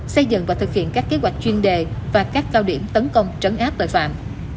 xây dựng và thực hiện các kế hoạch chuyên đề và các cao điểm tấn công trấn áp tội phạm